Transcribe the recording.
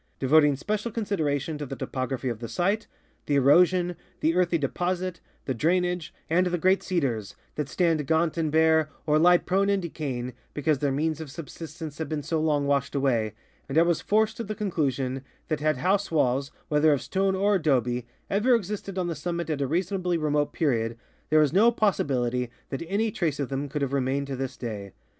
4), devoting special consid eration to the topography of the site, the erosion, the earthy de posits, the drainage, and the great cedars that stand gaunt and bare or lie prone and decajdng because their means of subsistence have been so long washed awa}^ and I was forced to the conclu sion that had house walls, whether of stone or adobe, ever existed on the summit at a reasonably remote period, there is no possi bilit}'' that any trace of them could have remained to this day.